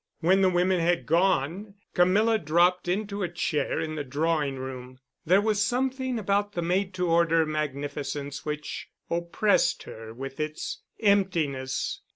When the women had gone, Camilla dropped into a chair in the drawing room. There was something about the made to order magnificence which oppressed her with its emptiness.